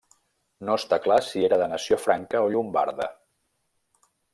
No està clar si era de nació franca o llombarda.